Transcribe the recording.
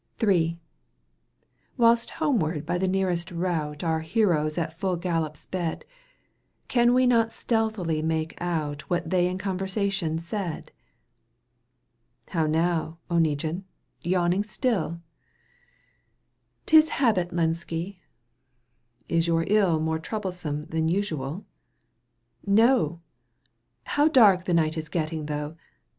III. Whilst homeward by the nearest route Our heroes at full gallop sped, Can we not stealthily make out What they in conversation said ?—" How now, Oneguine, yawning still ?"—" 'Tis habit, Lenski"—" Is your ill More troublesome than usual ?"—" No ! How dark the night is getting though